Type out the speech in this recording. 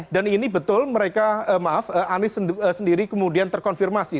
dan ini betul mereka maaf anies sendiri kemudian terkonfirmasi